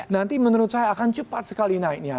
nanti menurut saya akan cepat sekali naiknya